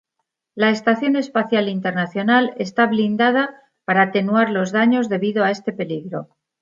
La Estación Espacial Internacional está blindada para atenuar los daños debido a este peligro.